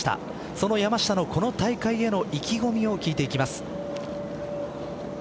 その山下のこの大会への意気込みを聞いていきます。